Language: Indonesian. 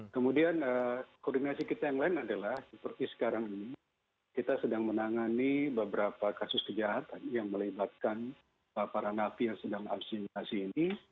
kemudian koordinasi kita yang lain adalah seperti sekarang ini kita sedang menangani beberapa kasus kejahatan yang melibatkan para napi yang sedang asimilasi ini